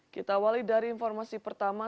kita awali dari informasi pertama